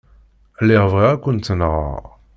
Lliɣ bɣiɣ ad kent-nɣeɣ.